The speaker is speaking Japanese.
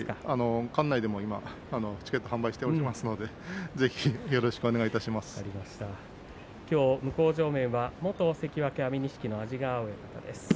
館内でもチケット販売しておりますのできょう向正面は元関脇安美錦の安治川親方です。